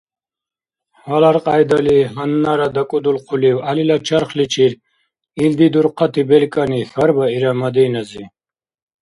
— Гьалар кьяйдали, гьаннара дакӏудулхъулив Гӏялила чархличир илди дурхъати белкӏани? — хьарбаира Мадинази.